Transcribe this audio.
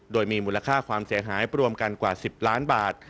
โดยมีมูลค่าความเสียหายรวมกันกว่า๑๐ล้านบาท